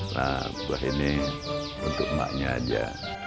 nah buah ini untuk emaknya aja